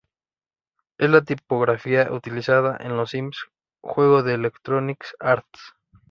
Es la tipografía utilizada en Los Sims, juego de Electronic Arts.